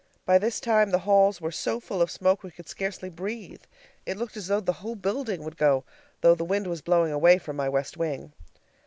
By this time the halls were so full of smoke we could scarcely breathe. It looked as though the whole building would go, though the wind was blowing away from my west wing.